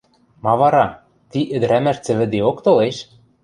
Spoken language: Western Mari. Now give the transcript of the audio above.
Ма вара, ти ӹдӹрӓмӓш цӹвӹдеок толеш?